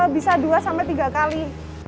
bisa dua tiga kali